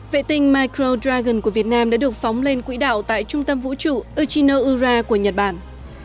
vệ tinh micro dragon của việt nam đã được phóng lên quỹ đạo tại trung tâm vũ trụ uchino ura của nhật bản